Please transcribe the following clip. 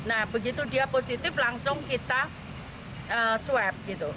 nah begitu dia positif langsung kita swab gitu